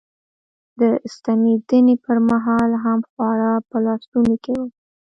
د ستنېدنې پر مهال هم خواړه په لاسونو کې و.